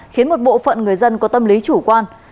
khiến một bộ phận người dân có tâm lý chủ quan